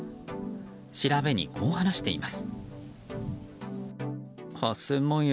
調べに、こう話しています。